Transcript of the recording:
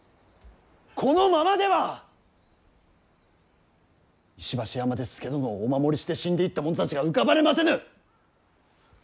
このままでは石橋山で佐殿をお守りして死んでいった者たちが浮かばれませぬ！